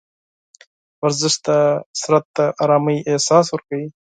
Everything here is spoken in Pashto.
ورزش د بدن د ارامۍ احساس ورکوي.